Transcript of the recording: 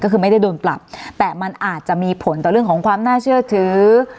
ก็คือไม่ได้โดนปรับแต่มันอาจจะมีผลต่อเรื่องของความน่าเชื่อถือ